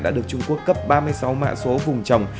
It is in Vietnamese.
đã được trung quốc cấp ba mươi sáu mã số vùng trồng